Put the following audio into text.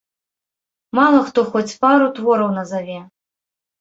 Мала хто хоць пару твораў назаве.